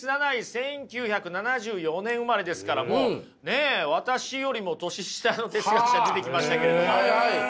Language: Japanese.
１９７４年生まれですからもうねえ私よりも年下の哲学者出てきましたけれどもはいはい。